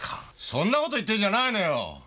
そんな事言ってんじゃないのよ！